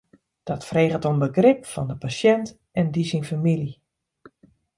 Dat freget om begryp fan de pasjint en dy syn famylje.